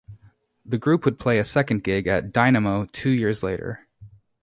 The group would play a second gig at Dynamo two years later.